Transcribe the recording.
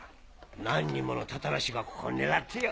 何人ものタタラ師がここを狙ってよ。